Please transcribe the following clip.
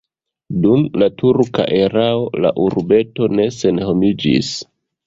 Dum la turka erao la urbeto ne senhomiĝis.